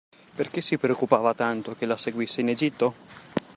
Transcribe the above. Perché si preoccupava tanto che la seguisse in Egitto?